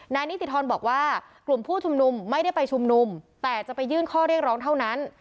นิติธรบอกว่ากลุ่มผู้ชุมนุมไม่ได้ไปชุมนุมแต่จะไปยื่นข้อเรียกร้องเท่านั้น